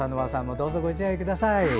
どうぞご自愛ください。